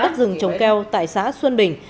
đất rừng trồng keo tại xã xuân bình